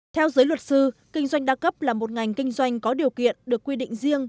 theo giới luật sư kinh doanh đa cấp là một ngành kinh doanh có điều kiện được quy định riêng